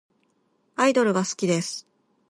アイドルが好きです。